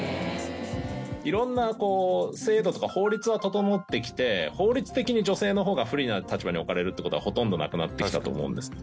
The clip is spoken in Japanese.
いろんな制度とか法律は整ってきて法律的に女性の方が不利な立場に置かれるってことはほとんどなくなってきたと思うんですね。